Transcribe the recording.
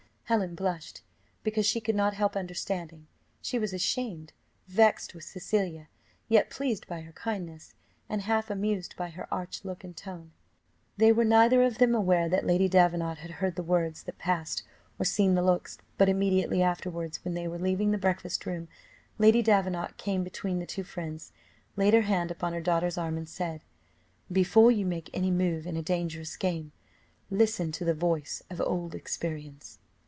Helen blushed, because she could not help understanding; she was ashamed, vexed with Cecilia, yet pleased by her kindness, and half amused by her arch look and tone. They were neither of them aware that Lady Davenant had heard the words that passed, or seen the looks; but immediately afterwards, when they were leaving the breakfast room, Lady Davenant came between the two friends, laid her hand upon her daughter's arm, and said, "Before you make any move in a dangerous game, listen to the voice of old experience."